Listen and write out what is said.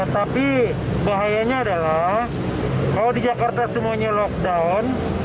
tapi bahayanya adalah kalau di jakarta semuanya lockdown